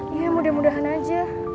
iya mudah mudahan aja